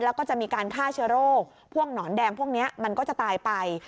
แล้วก็จะมีการฆ่าเชื้อโรคพวกหนอนแดงพวกนี้มันก็จะตายไป